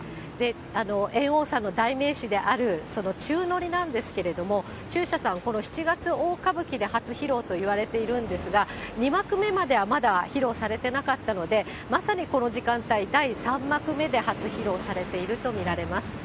猿翁さんの代名詞である、その宙乗りなんですけれども、中車さん、この七月大歌舞伎で初披露といわれているんですが、２幕目まではまだ披露されていなかったので、まさにこの時間帯、第３幕目で初披露されていると見られます。